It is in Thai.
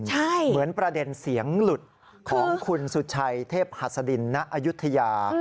เหมือนประเด็นเสียงหลุดของคุณสุชัยเทพหัสดินณอายุทยา